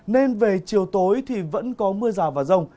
nên về chiều tối thì vẫn có mưa rào và rông